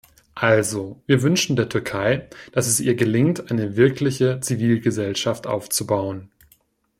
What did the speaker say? Also, wir wünschen der Türkei, dass es ihr gelingt, eine wirkliche Zivilgesellschaft aufzubauen.